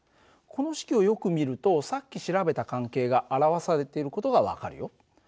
この式をよく見るとさっき調べた関係が表されている事が分かるよ。